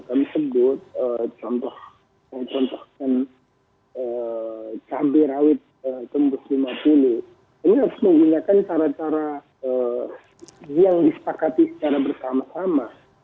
ini harus mengingatkan cara cara yang disepakati secara bersama sama